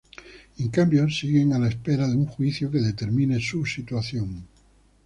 En cambio, siguen a la espera de un juicio que determine su situación.